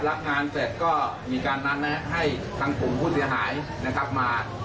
รับงานเสร็จก็มีการนัดแนะให้ทางกลุ่มผู้เสียหายนะครับมา